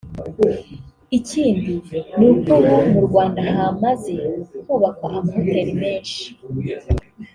Ikindi ni uko ubu mu Rwanda hamaze kubakwa amahoteli menshi